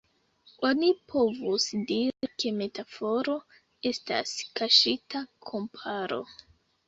Oni povus diri, ke metaforo estas kaŝita komparo.